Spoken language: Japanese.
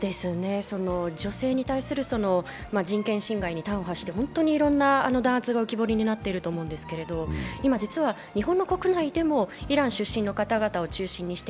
女性に対する人権侵害に端を発して本当にいろんな弾圧が浮き彫りになっていると思うんですけど今、実は日本の国内でもイラン出身の方々を中心にして